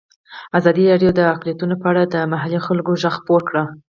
ازادي راډیو د اقلیتونه په اړه د محلي خلکو غږ خپور کړی.